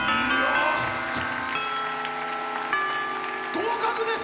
合格です！